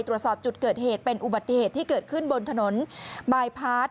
ตรวจสอบจุดเกิดเหตุเป็นอุบัติเหตุที่เกิดขึ้นบนถนนบายพาร์ท